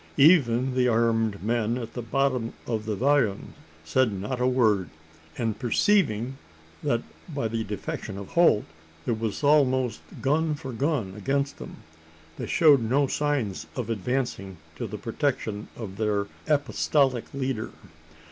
Even the armed men at the bottom of the vallon said not a word; and perceiving that, by the defection of Holt, there was almost gun for gun against them, they showed no signs of advancing to the protection of their apostolic leader.